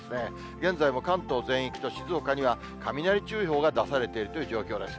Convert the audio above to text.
現在も関東全域と静岡には雷注意報が出されているという状況です。